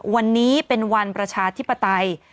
วันนี้เป็นวันประชาธิปไตย